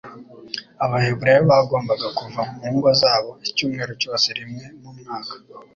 Abaheburayo bagombaga kuva mu ngo zabo icyumweru cyose rimwe mu mwaka,